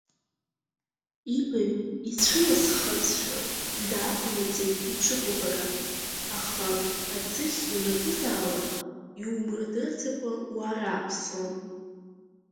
Ибаҩ ицәыласхазшәа, дааҟанаҵеит иҽыкәабара, аха аӡыхь ианакәызаалак иумырдырӡакәа уарааԥсон.